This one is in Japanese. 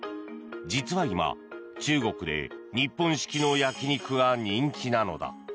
実は今、中国で日本式の焼き肉が人気なのだ。